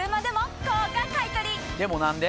でも何で？